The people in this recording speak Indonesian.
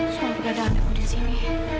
soal peradaan aku di sini